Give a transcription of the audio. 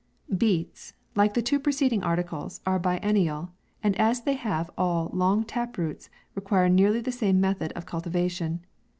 BEETS, like the two preceding articles, are biennial, and as they have all long tap roots, require nearly the same method of cultivation.